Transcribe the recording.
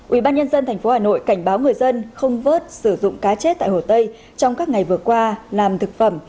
ubnd tp hà nội cảnh báo người dân không vớt sử dụng cá chết tại hồ tây trong các ngày vừa qua làm thực phẩm